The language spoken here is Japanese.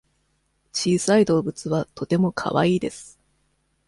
小さい動物はとてもかわいいです。